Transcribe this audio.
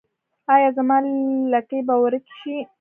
ایا زما لکې به ورکې شي؟